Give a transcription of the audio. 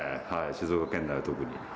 静岡県内は特に。